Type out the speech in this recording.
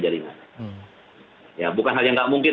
jaringannya ya bukan hal yang nggak mungkin